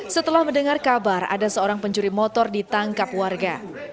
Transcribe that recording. setelah mendengar kabar ada seorang pencuri motor ditangkap warga